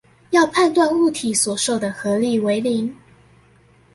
要判斷物體所受的合力為零